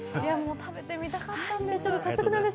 食べてみたかったんです。